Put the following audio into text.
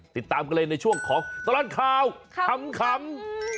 ติดตามกันเลยในช่วงของตลอดข่าวขำ